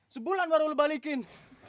sebulan baru lo balikin